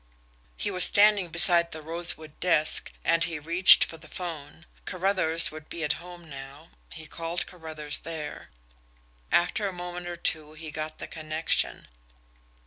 He was standing beside the rosewood desk, and he reached for the phone. Carruthers would be at home now he called Carruthers there. After a moment or two he got the connection.